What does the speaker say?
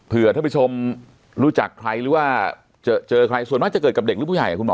เพื่อท่านผู้ชมรู้จักใครหรือว่าเจอใครส่วนมากจะเกิดกับเด็กหรือผู้ใหญ่คุณหมอ